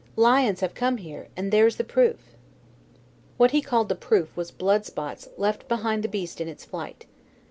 Lions have come here, and there's the proof." What he called the proof was blood spots left behind the beast in its flight.